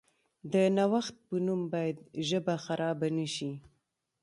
د نوښت په نوم باید ژبه خرابه نشي.